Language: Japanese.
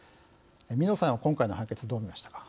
水野さんは今回の判決どう見ましたか。